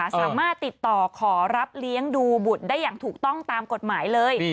สามารถติดต่อขอรับเลี้ยงดูบุตรได้อย่างถูกต้องตามกฎหมายเลย